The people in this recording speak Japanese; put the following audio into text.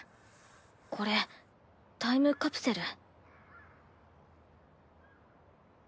これタイムカプセル。